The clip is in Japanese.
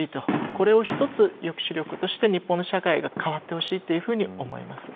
これを一つ、抑止力として日本の社会が変わってほしいと思います。